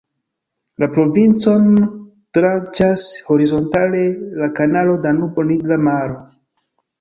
La provincon "tranĉas" horizontale la Kanalo Danubo-Nigra Maro.